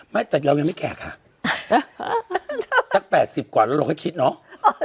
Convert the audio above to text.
ไม่แต่เรายังไม่แก่ค่ะสัก๘๐กว่าแล้วเราค่อยคิดเนาะ